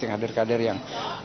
dengan kader kader yang